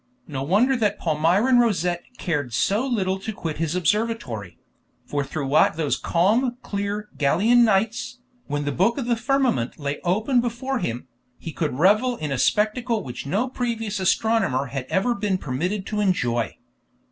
No wonder that Palmyrin Rosette cared so little to quit his observatory; for throughout those calm, clear Gallian nights, when the book of the firmament lay open before him, he could revel in a spectacle which no previous astronomer had ever been permitted to enjoy.